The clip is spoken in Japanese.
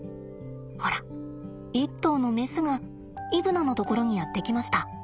ほら一頭のメスがイブナのところにやって来ました。